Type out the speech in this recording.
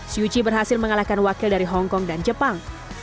syuji berhasil mengalahkan wakil dari hong kong dan jepang